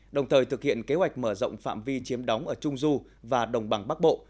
đồng thời thực hiện kế hoạch mở rộng phạm vi chiếm đóng ở trung du và đồng bằng bắc bộ